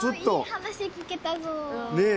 いい話聞けたぞ。